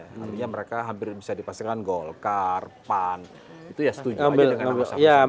artinya mereka hampir bisa dipastikan golkar pan itu ya setuju